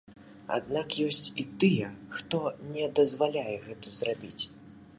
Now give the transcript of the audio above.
Аднак, ёсць і тыя, хто не дазваляе гэта зрабіць.